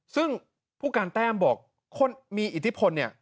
ซึ่งผู้การแต้มบอกคนมีอิทธิพลเนี่ย